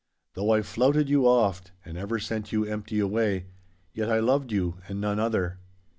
Though I flouted you oft, and ever sent you empty away, yet I loved you and none other.